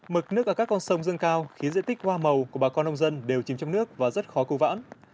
mực nước ở các con sông dâng cao khiến diện tích hoa màu của bà con nông dân đều chìm trong nước và rất khó cố vãn